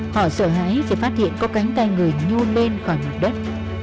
họ sợ hãi chỉ phát hiện có cánh tay người nhôn lên khỏi mặt đất